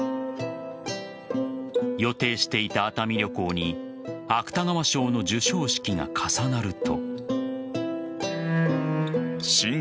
予定していた熱海旅行に芥川賞の授賞式が重なると。